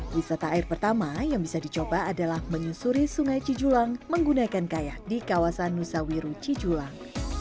wisata air pertama yang bisa dicoba adalah menyusuri sungai cijulang menggunakan kayak di kawasan nusawiru cijulang